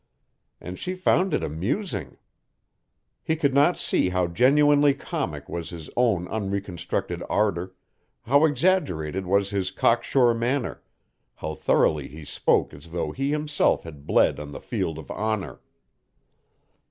And she found it amusing! He could not see how genuinely comic was his own unreconstructed ardor how exaggerated was his cocksure manner how thoroughly he spoke as though he himself had bled on the field of honor.